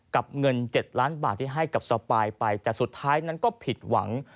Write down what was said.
เงิน๗ล้านบาทที่ให้กับสปายไปแต่สุดท้ายนั้นก็ผิดหวัง